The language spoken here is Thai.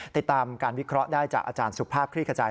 ติดตามการวิเคราะห์ได้จากอาจารย์สุภาพคลี่ขจาย